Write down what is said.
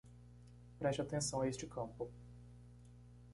Preste atenção a este campo